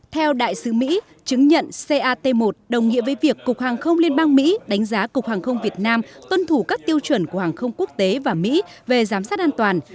theo đại sứ mỹ chứng nhận cat một đồng nghĩa với việc cục hàng không liên bang mỹ đánh giá cục hàng không việt nam tuân thủ các tiêu chuẩn của hàng không quốc tế và mỹ về giám sát an toàn